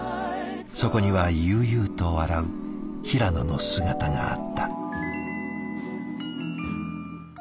そこには悠々と笑う平野の姿があった。